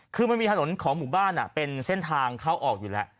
คือมันมีถนนของหมู่บ้านเป็นเส้นทางเข้าออกอยู่แล้ว